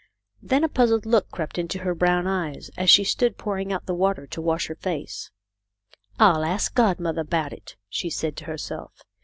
Then a puzzled look crept into her brown eyes, as she stood pouring out the water to wash her face. " I'll ask godmother about it," she said to herself.